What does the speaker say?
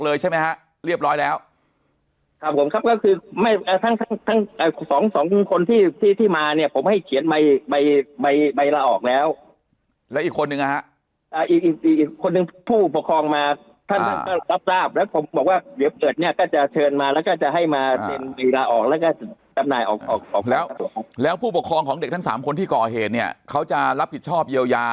เลยใช่ไหมนะเรียบร้อยแล้วครับผมครับ